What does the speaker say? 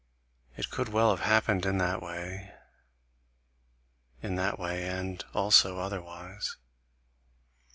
It could well have happened in that way: in that way, AND also otherwise.